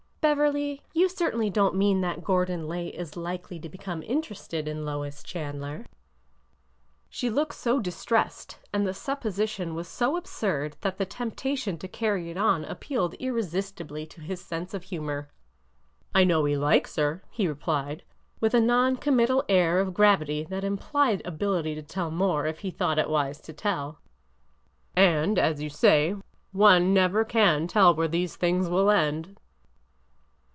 '' Beverly, you certainly don't mean that Gordon Lay is likely to become interested in Lois Chandler ?" She lopked so distressed, and the supposition was so absurd, that the temptation to carry it on appealed irre sistibly to his sense of humor. I know he likes her," he replied, with a non commit tal air of gravity that implied ability to tell more if he thought it wise to tell ;'' and, as you say, one never can tell where these things will end."